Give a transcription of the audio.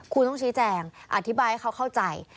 คุณต้องชี้แจงอธิบายให้เขาเข้าใจ